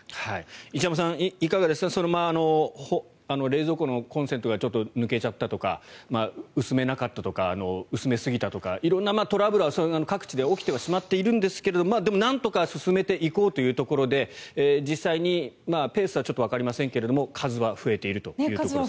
石山さん、いかがですか冷蔵庫のコンセントがちょっと抜けちゃったとか薄めなかったとか薄めすぎたとか色んなトラブルは各地で起きてしまっているんですけどでもなんとか進めていこうというところで実際にペースはちょっとわかりませんが数は増えていますよね。